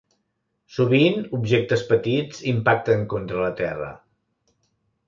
Sovint objectes petits impacten contra la Terra.